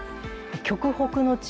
極北の地